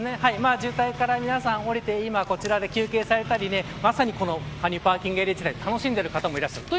渋滞から皆さん降りてこちらで休憩されたり羽生パーキングエリアを楽しんでる方もいらっしゃる。